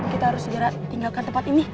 kita harus segera tinggalkan tempat ini